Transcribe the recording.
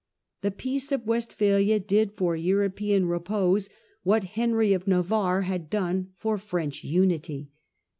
The Peace of Westphalia did for European repose what Henry of Navarre had done for French unity.